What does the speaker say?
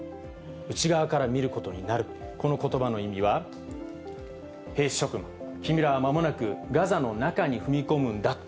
内側から見ることになる、このことばの意味は、兵士諸君、君らはまもなくガザの中に踏み込むんだ。